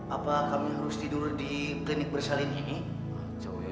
apa kami harus tidur di klinik bersalin ini